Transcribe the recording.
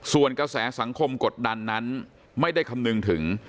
ส่วนกระแสสังคมกดดันนั้นไม่ได้คำนึงถึง